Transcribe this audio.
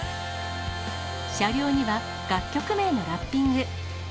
車両には楽曲名がラッピング。